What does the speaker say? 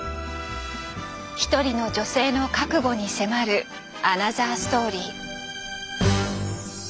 一人の女性の覚悟に迫るアナザーストーリー。